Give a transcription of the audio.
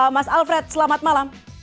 mas alfred selamat malam